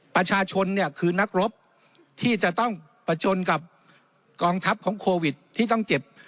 ประชาชนเนี่ยคือนักรบที่จะต้องประชนกับกองทัพของโควิดที่ต้องเก็บ